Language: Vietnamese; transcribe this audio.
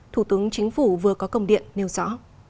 thủ tướng chính phủ vừa có công điện nêu rõ